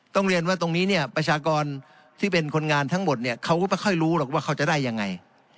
เรียนว่าตรงนี้เนี่ยประชากรที่เป็นคนงานทั้งหมดเนี่ยเขาก็ไม่ค่อยรู้หรอกว่าเขาจะได้ยังไง